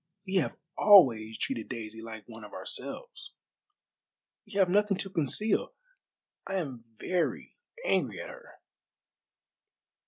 "We have always treated Daisy like one of ourselves. We have nothing to conceal. I am very angry at her."